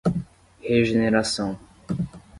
Regeneração